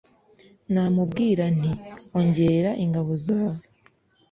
namubwira nti 'ongera ingabo zawe